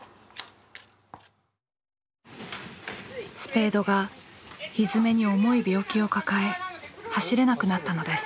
スペードがひづめに重い病気を抱え走れなくなったのです。